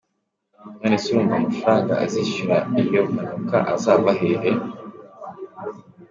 “None se urumva amafaranga azishyura iyo mpanuka azava hehe?